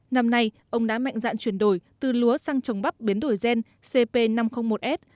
năm nay ông đã mạnh dạn chuyển đổi từ lúa sang trồng bắp biến đổi gen cp năm trăm linh một s